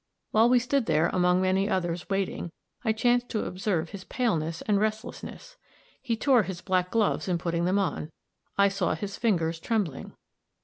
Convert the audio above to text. While we stood there, among many others, waiting, I chanced to observe his paleness and restlessness; he tore his black gloves in putting them on; I saw his fingers trembling.